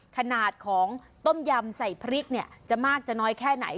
ขนาดของต้มยำใส่พริกเนี่ยจะมากจะน้อยแค่ไหน